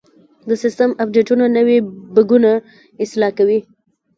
د سیسټم اپډیټونه نوي بګونه اصلاح کوي.